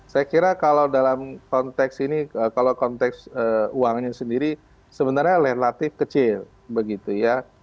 saya kira kalau dalam konteks ini kalau konteks uangnya sendiri sebenarnya relatif kecil begitu ya